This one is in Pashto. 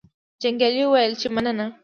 جنګیالي وویل چې مننه.